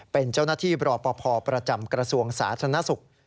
เป็นเจ้าหน้าที่บรปภประจำกระทรวงสาธารณสุข